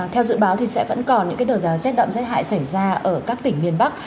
theo dự báo thì sẽ vẫn còn những đợt rét đậm rét hại xảy ra ở các tỉnh miền bắc